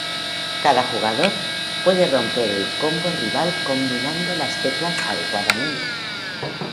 Cada jugador puede romper el combo rival combinando las teclas adecuadamente.